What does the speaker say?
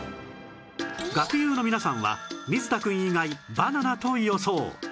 学友の皆さんは水田くん以外バナナと予想